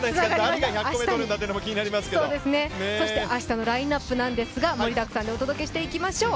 そして明日のラインナップですが盛りだくさんでお届けしていきましょう。